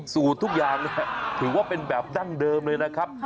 สูตรทุกอย่างแหละถือว่าเป็นแบบดั้งเดิมเลยนะครับ